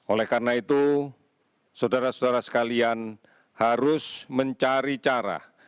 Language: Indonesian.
oleh karena itu saudara saudara sekalian harus mencari cara